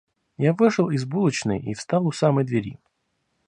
Я вышел из булочной и встал у самой двери.